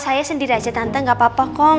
saya sendiri aja tante gak apa apa kok